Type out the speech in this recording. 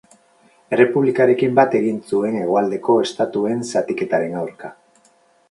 Errepublikarekin bat egin zuen hegoaldeko estatuen zatiketaren aurka.